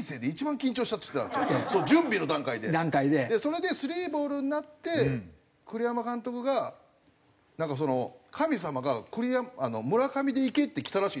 それでスリーボールになって栗山監督がなんかその神様が「村上でいけ」ってきたらしいんですよ。